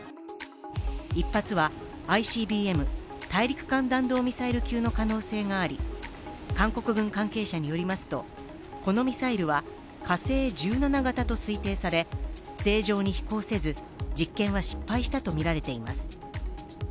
１発はＩＣＢＭ＝大陸間弾道ミサイル級の可能性があり、韓国軍関係者によりますとこのミサイルは火星１７型と推定され正常に飛行せず、実験は失敗したとみられています。